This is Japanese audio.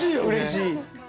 うれしい。